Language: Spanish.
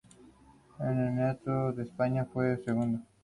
En el campeonato de España fue segundo.